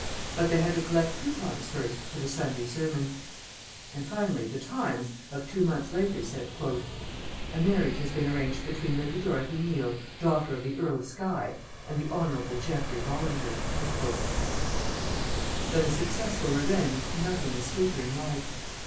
But they had to collect coupons first for The Sunday Sermon. And, finally, The Times, of two months later, said: "A marriage has been arranged between Lady Dorothy Neal, daughter of the Earl of Skye, and the Hon. Geoffrey Bollinger." ..... Than a successful revenge nothing is sweeter in life.